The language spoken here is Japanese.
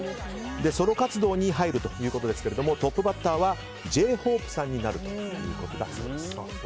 ソロ活動に入るということですけれどもトップバッターはＪ‐ＨＯＰＥさんになるということです。